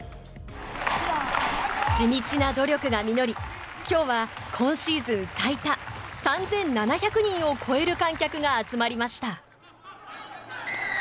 地道な努力が実りきょうは今シーズン最多３７００人を超える観客が集まりました。